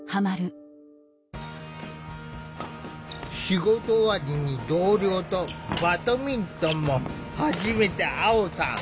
仕事終わりに同僚とバドミントンも始めたアオさん。